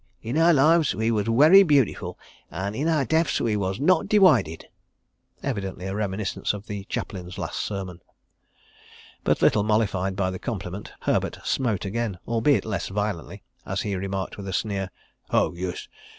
In our lives we was werry beautiful, an' in our deafs we wos not diwided." (Evidently a reminiscence of the Chaplain's last sermon.) But little mollified by the compliment, Herbert smote again, albeit less violently, as he remarked with a sneer: "Ho, yus!